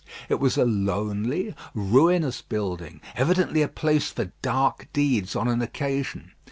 It was a lonely, ruinous building, evidently a place for dark deeds on an occasion.